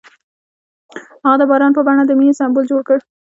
هغه د باران په بڼه د مینې سمبول جوړ کړ.